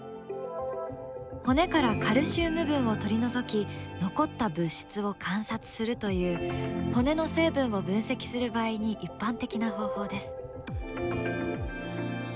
骨からカルシウム分を取り除き残った物質を観察するという骨の成分を分析する場合に一般的な方法です。